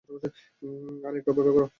আরে একটু অপেক্ষা কর।